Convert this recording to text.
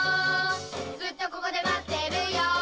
ずっとここで待ってるよ」